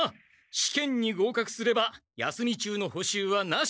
試験にごうかくすれば休み中の補習はなしにする。